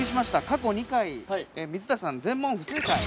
過去２回、水田さん、全問不正解。